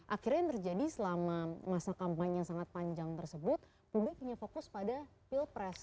akhirnya yang terjadi selama masa kampanye yang sangat panjang tersebut publik hanya fokus pada pilpres